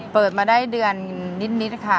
เปิดมาได้เดือนนิดค่ะ